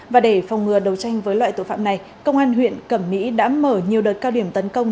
và để phòng ngừa đấu tranh với loại tội phạm này công an huyện cẩm mỹ đã mở nhiều đợt cao điểm tấn công